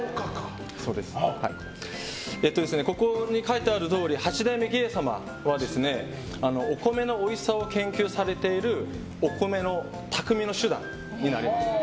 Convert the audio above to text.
ここに書いてあるとおり八代目儀兵衛様はお米のおいしさを研究されているお米の匠集団になります。